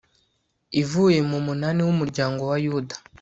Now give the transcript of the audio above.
ivuye mu munani w'umuryango wa yuda